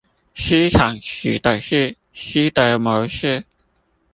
西廠指的是西德模式